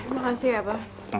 makasih ya pa